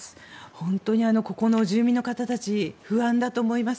本当にここの住民の方たち不安だと思います。